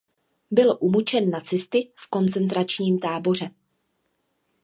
Byl umučen nacisty v koncentračním táboře.